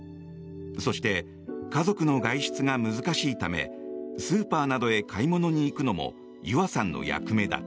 そして、家族の外出が難しいためスーパーなどへ買い物に行くのもゆあさんの役目だ。